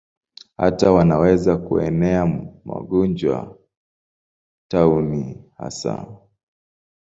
Hata wanaweza kuenea magonjwa, tauni hasa.